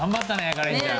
カレンちゃん。